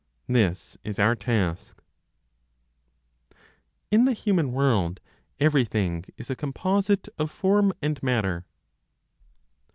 This is our task. IN THE HUMAN WORLD EVERYTHING IS A COMPOSITE OF FORM AND MATTER.